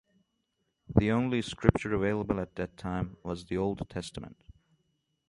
The only Scripture available at that time was the Old Testament.